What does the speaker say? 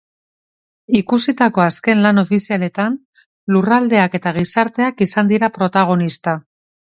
Ikusitako azken lan ofizialetan, lurraldeak eta gizarteak izan dira protagonista.